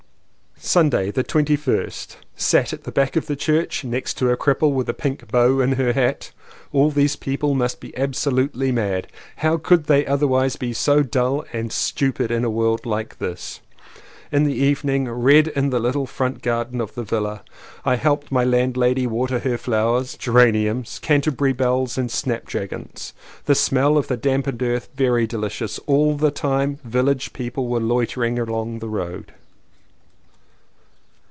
Sunday the 21st. Sat at the back of the church next a cripple with a pink bow in her hat. All these people must be absolutely mad; how could they otherwise be so dull and stupid in a world like this.? In the evening read in the little front garden of the Villa. I helped my landlady water her flowers, geraniums, Canterbury bells and snap dragons. The smell of the dampened earth very delicious. All the time village people were loitering along the road.